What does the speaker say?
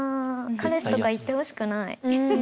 彼氏とか行ってほしくない。